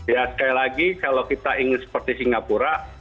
ya sekali lagi kalau kita ingin seperti singapura